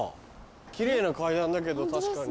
キレイな階段だけど確かに。